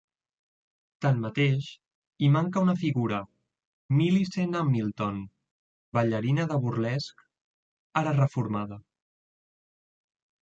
Tanmateix, hi manca una figura: Millicent Hamilton, ballarina de burlesc, ara reformada.